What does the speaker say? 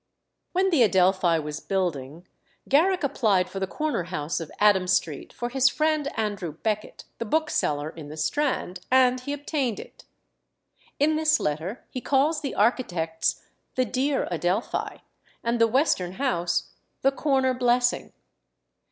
When the Adelphi was building, Garrick applied for the corner house of Adam Street for his friend Andrew Beckett, the bookseller in the Strand, and he obtained it. In this letter he calls the architects "the dear Adelphi," and the western house "the corner blessing."